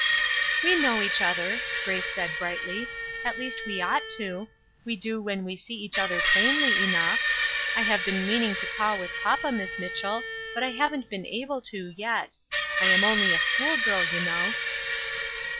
"We know each other," Grace said, brightly, "at least we ought to. We do when we see each other plainly enough. I have been meaning to call with papa, Miss Mitchell, but I haven't been able to, yet; I am only a school girl, you know."